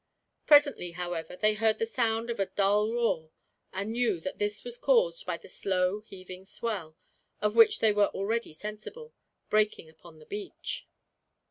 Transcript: Presently, however, they heard the sound of a dull roar, and knew that this was caused by the slow heaving swell, of which they were already sensible, breaking upon a beach.